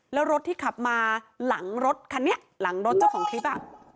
แล้วรถที่ขับมาหลังรถคันนี้หลังรถเจ้าของคลิปอ่ะ